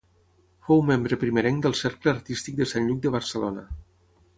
Fou membre primerenc del Cercle Artístic de Sant Lluc de Barcelona.